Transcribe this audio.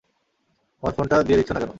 আমার ফোনটা দিয়ে দিচ্ছো না কেনো!